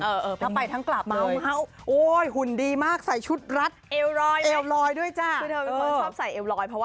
เออเออไปทั้งกลับแล้ว